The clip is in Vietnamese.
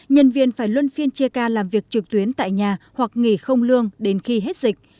nhân viên phải luân phiên chia ca làm việc trực tuyến tại nhà hoặc nghỉ không lương đến khi hết dịch